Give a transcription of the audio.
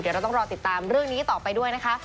เดี๋ยวเราต้องรอติดตามเรื่องนี้ต่อไปด้วยนะคะ